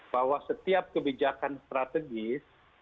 bahwa setiap kebijakan strategis